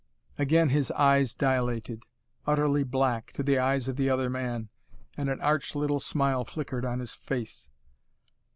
Again his eyes dilated, utterly black, to the eyes of the other man, and an arch little smile flickered on his face.